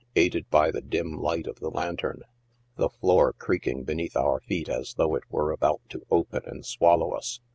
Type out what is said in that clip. aided by the dim light of the lantern, the floor creaking be neath our feet as though it were about to open and swallow us.